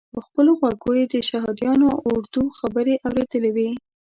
په خپلو غوږو یې د شهادیانو اردو خبرې اورېدلې وې.